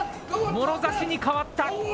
もろざしに変わった。